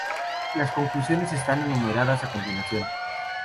Las conclusiones están enumeradas a continuación.